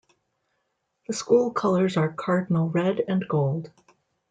The school colors are cardinal red and gold.